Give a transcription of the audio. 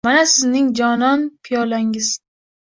Mana sizning jonon piyolangiz